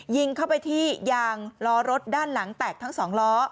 ยิงเข้าไปที่ยางล้อรถด้านหลังแตกทั้งสองล้อ